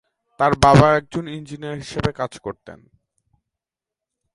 তাঁর বাবা একজন ইঞ্জিনিয়ার হিসাবে কাজ করতেন।